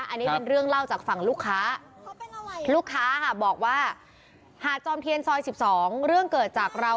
อันนี้เป็นเรื่องเล่าจากฝั่งลูกค้าลูกค้าค่ะบอกว่าหาดจอมเทียนซอย๑๒เรื่องเกิดจากเรา